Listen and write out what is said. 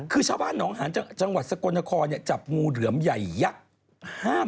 คือชาวบ้านหนองหาญจังหวัดสกลนครจับงูเหลือมใหญ่ยักษ์